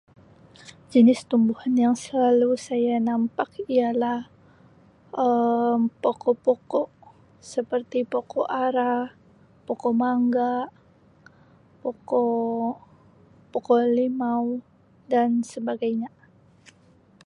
Jenis tumbuhan yang selalu saya nampak ialah Um Pokok-Pokok seperti Pokok Ara, Pokok Mangga, Pokok Pokok Limau dan sebagainya